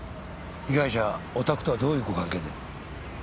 被害者おたくとはどういうご関係で？